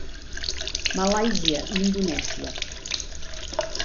Malàisia i Indonèsia.